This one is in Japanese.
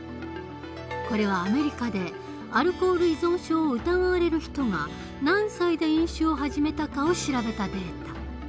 これはアメリカでアルコール依存症を疑われる人が何歳で飲酒を始めたかを調べたデータ。